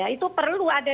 itu perlu ada